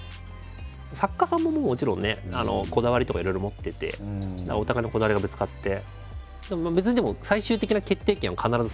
作家さんももちろんねこだわりとかいろいろ持っててお互いのこだわりがぶつかって。